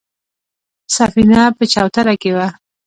سفينه په چوتره کې وه.